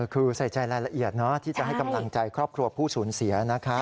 คือใส่ใจรายละเอียดที่จะให้กำลังใจครอบครัวผู้สูญเสีย